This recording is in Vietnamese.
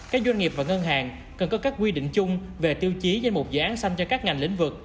các doanh nghiệp và ngân hàng cần có các quy định chung về tiêu chí danh mục dự án xanh cho các ngành lĩnh vực